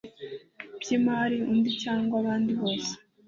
By imari undi cyangwa abandi bose